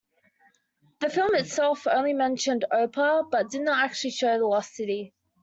The film itself only mentioned Opar but did not actually show the lost city.